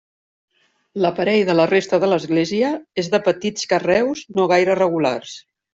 L'aparell de la resta de l'església és de petits carreus no gaire regulars.